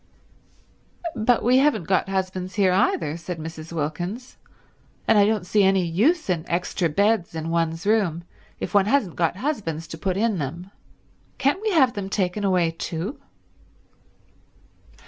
"But we haven't got husbands here either," said Mrs. Wilkins, "and I don't see any use in extra beds in one's room if one hasn't got husbands to put in them. Can't we have them taken away too?"